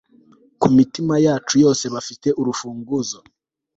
ku mitima yacu yose bafite urufunguzo